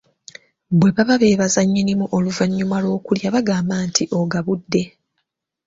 Bwe baba beebaza nnyinimu oluvannyuma lw'okulya bagamba nti ogabudde.